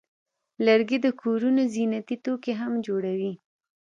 لرګی د کورونو زینتي توکي هم جوړوي.